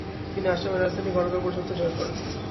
তিনি আসামের রাজধানী গড়গাঁও পর্যন্ত জয় করেন।